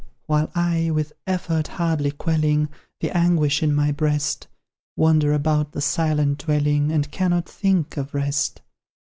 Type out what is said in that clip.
While I, with effort hardly quelling The anguish in my breast, Wander about the silent dwelling, And cannot think of rest.